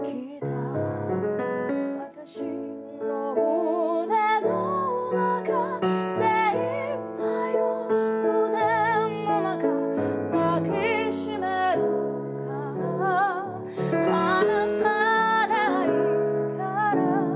「わたしの腕の中精いっぱいの腕の中」「抱きしめるから離さないから」